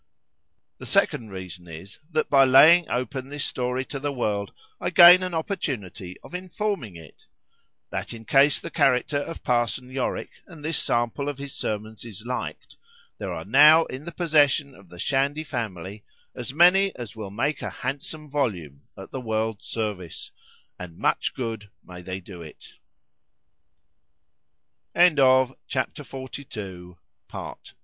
_ The second reason is, That, by laying open this story to the world, I gain an opportunity of informing it,—That in case the character of parson Yorick, and this sample of his sermons, is liked,——there are now in the possession of the Shandy family, as many as will make a handsome volume, at the world's service,——and much